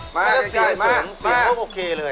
ซื้อสูงหมุกโอเคเลย